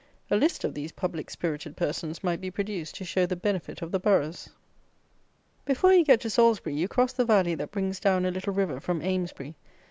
A list of these public spirited persons might be produced to show the benefit of the Boroughs. Before you get to Salisbury, you cross the valley that brings down a little river from Amesbury.